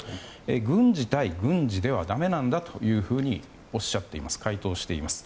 軍事対軍事ではだめなんだというふうに回答しています。